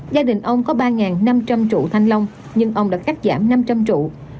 gia đình ông có ba năm trăm linh trụ thanh long nhưng ông đã cắt giảm năm trăm linh trụ